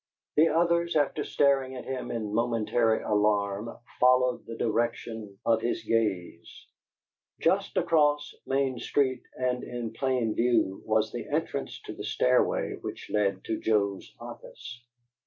The others, after staring at him in momentary alarm, followed the direction of his gaze. Just across Main Street, and in plain view, was the entrance to the stairway which led to Joe's office.